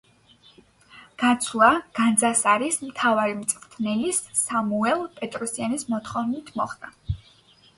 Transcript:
გაცვლა განძასარის მთავარი მწვრთნელის, სამუელ პეტროსიანის მოთხოვნით მოხდა.